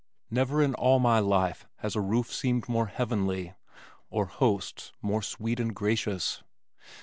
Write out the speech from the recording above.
Never in all my life has a roof seemed more heavenly, or hosts more sweet and gracious.